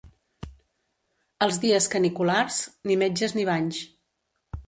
Els dies caniculars, ni metges ni banys.